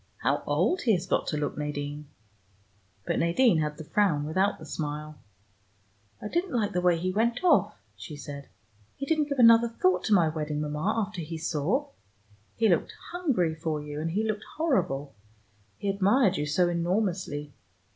How old he has got to look, Nadine." But Nadine had the frown without the smile. "I didn't like the way he went off," she said. "He didn't give another thought to my wedding, Mama, after he saw. He looked hungry for you, and he looked horrible. He admired you so enormously.